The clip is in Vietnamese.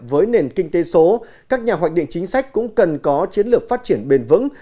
với nền kinh tế số các nhà hoạch định chính sách cũng cần có chiến lược phát triển bền vững